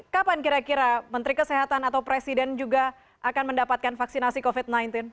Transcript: kapan kira kira menteri kesehatan atau presiden juga akan mendapatkan vaksinasi covid sembilan belas